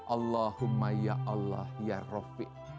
allahumma ya allah ya rafiq